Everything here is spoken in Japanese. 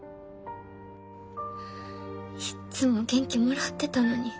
いっつも元気もらってたのに。